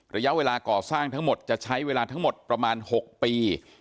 ระยะเวลาก่อสร้างทั้งหมดจะใช้เวลาทั้งหมดประมาณ๖ปี